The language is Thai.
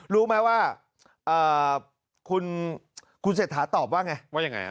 รู้ไหมว่าคุณเศรษฐาตอบว่าไงว่ายังไง